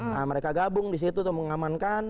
nah mereka gabung disitu untuk mengamankan